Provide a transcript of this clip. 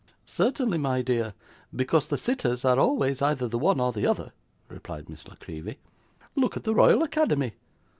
'Certainly, my dear; because the sitters are always either the one or the other,' replied Miss La Creevy. 'Look at the Royal Academy!